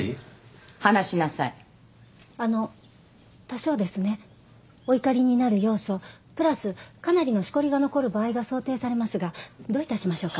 多少ですねお怒りになる要素プラスかなりのしこりが残る場合が想定されますがどういたしましょうか？